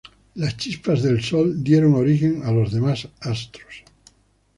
Las chispas del Sol dieron origen a los demás astros.